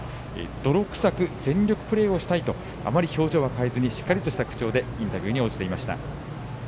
泥臭く、全力プレーをしたいとあまり表情は変えずにしっかりとした口調でインタビューに応じていました。